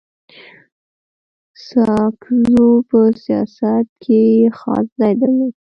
ساکزو په سیاست کي خاص ځای درلود.